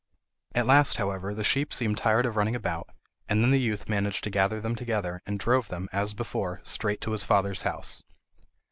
At last, however, the sheep seemed tired of running about, and then the youth managed to gather them together, and drove them, as before, straight to his father's house.